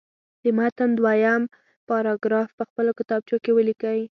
د متن دویم پاراګراف په خپلو کتابچو کې ولیکئ.